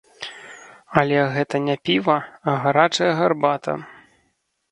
Але гэта не піва, а гарачая гарбата.